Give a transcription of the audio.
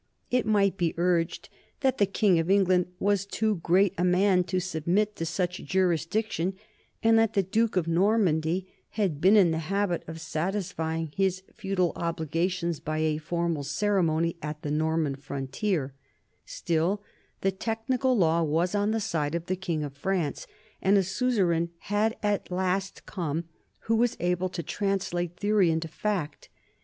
It might be urged that the king of England was too great a man to submit to such juris diction, and that the duke of Normandy had been in the habit of satisfying his feudal obligations by a formal ceremony at the Norman frontier; still the technical law was on the side of the king of France, and a suzerain had at last come who was able to translate theory into fact.